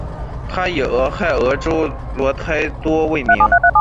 它以俄亥俄州托莱多命名。